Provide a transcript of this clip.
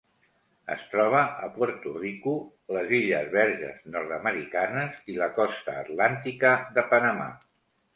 Es troba a Puerto Rico, les Illes Verges Nord-americanes i la costa atlàntica de Panamà.